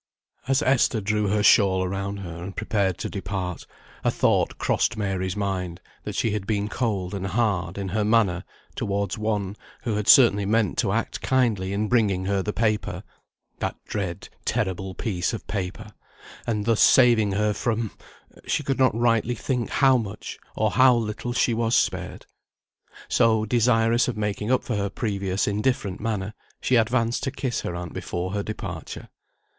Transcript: As Esther drew her shawl around her, and prepared to depart, a thought crossed Mary's mind that she had been cold and hard in her manner towards one, who had certainly meant to act kindly in bringing her the paper (that dread, terrible piece of paper) and thus saving her from she could not rightly think how much, or how little she was spared. So, desirous of making up for her previous indifferent manner, she advanced to kiss her aunt before her departure.